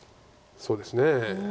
そうですね。